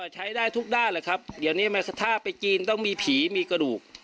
ใช้ได้ทุกด้านนะครับที่เมียสอยถ้าเพื่อจีงต้องมีผีมีกระดูก